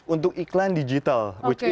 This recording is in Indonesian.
untuk iklan digital